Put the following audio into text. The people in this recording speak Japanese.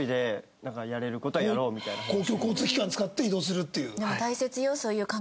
公共交通機関使って移動するっていう。